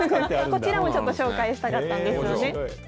こちらもちょっとご紹介したかったんですよね。